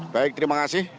baik terima kasih